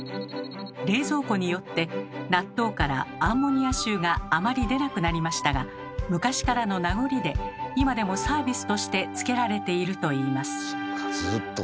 冷蔵庫によって納豆からアンモニア臭があまり出なくなりましたが昔からの名残で今でもサービスとしてつけられているといいます。